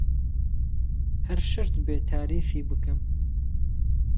ههر شهرت بێ تاریفی بکهم